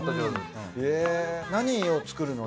何を作るの？